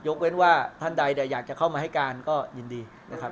เว้นว่าท่านใดอยากจะเข้ามาให้การก็ยินดีนะครับ